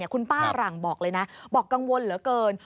คุณป้าหลังบอกเลยนะบอกกังวลเหลือเกิน